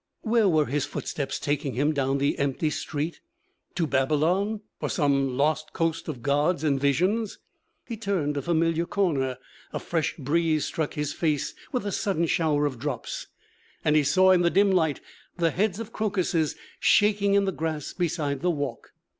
Where were his footsteps taking him down the empty street? To Babylon, or some lost coast of gods and visions? He turned a familiar corner. A fresh breeze struck his face with a sudden shower of drops, and he saw in the dim light the heads of crocuses shaking in the grass beside the walk.